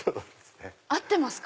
合ってますか？